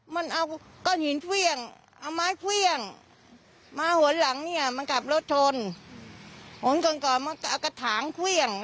มันเอาก้อนหินเครื่องเอาไม้เครื่องมาหนหลังเนี่ยมันกลับรถชนหนชนก่อนมันก็เอากระถางเครื่อง